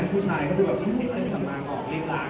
ผู้ชายเขาจะเป็นแบบที่ไม่สามารถออกเรียนร้าง